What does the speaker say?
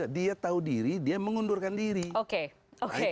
dia tahu diri dia mengundurkan diri oke oke